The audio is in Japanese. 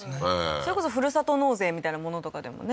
それこそふるさと納税みたいなものとかでもね